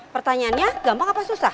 pertanyaannya gampang apa susah